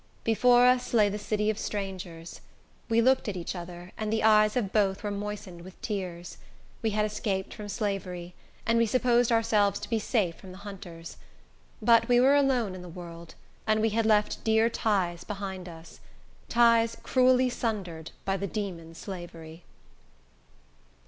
Before us lay the city of strangers. We looked at each other, and the eyes of both were moistened with tears. We had escaped from slavery, and we supposed ourselves to be safe from the hunters. But we were alone in the world, and we had left dear ties behind us; ties cruelly sundered by the demon Slavery.